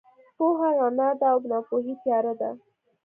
پوهه رڼا ده او ناپوهي تیاره ده.